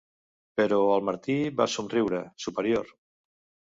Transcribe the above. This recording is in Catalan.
Però el Martí va somriure, superior.